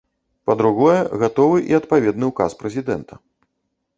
Па-другое, гатовы і адпаведны ўказ прэзідэнта.